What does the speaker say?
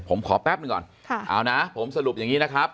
ผมขอแป๊บหนึ่งก่อนเอานะผมสรุปอย่างนี้นะครับ